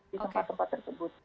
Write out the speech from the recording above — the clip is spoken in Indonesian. di tempat tempat tersebut